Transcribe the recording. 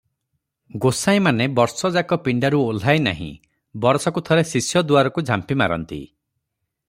ଗୋସାଇଁ ମାନେ ବର୍ଷ ଯାକ ପିଣ୍ତାରୁ ଓହ୍ଲାଇ ନାହିଁ, ବରଷକୁ ଥରେ ଶିଷ୍ୟ ଦୁଆରକୁ ଝାମ୍ପିମାରନ୍ତି ।